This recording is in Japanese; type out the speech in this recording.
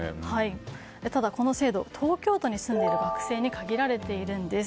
ただこの制度東京都に住んでいる学生に限られているんです。